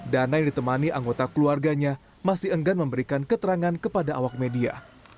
dana yang ditemani anggota keluarganya masih enggan memberikan keterangan kepada awak media